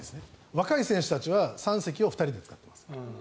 若い選手たちは３席を２人で使ってます。